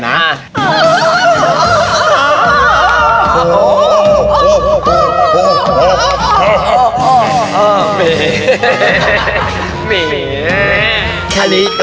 โด่อแล้ว